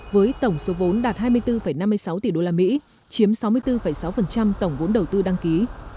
với tổng số vốn đạt hai mươi bốn năm mươi sáu tỷ đô la mỹ chiếm sáu mươi bốn sáu tổng vốn đầu tư đăng ký